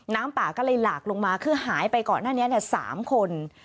น้ำป่าก็เลยหลากลงมาคือหายไปก่อนหน้านี้๓คน